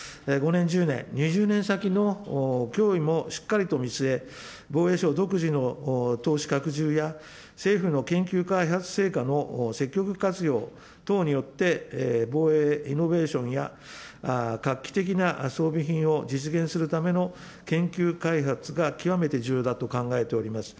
５年、１０年、２０年先の脅威もしっかりと見据え、防衛省独自の投資拡充や、政府の研究・開発成果の積極活用等によって、防衛イノベーションや画期的な装備品を実現するための研究開発は極めて重要だと考えております。